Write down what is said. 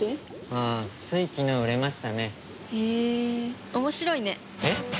ああつい昨日売れましたねへえ面白いねえっ？